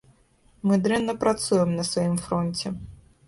Мы дрэнна працуем на сваім фронце.